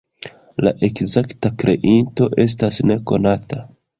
La ekzakta kreinto estas nekonata.